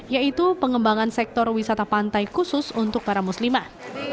yaitu pengembangan sektor wisata pantai khusus untuk para muslimah